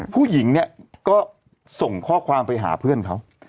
ผู้หญิงเนี่ยก็ส่งข้อความไปหาเพื่อนเขา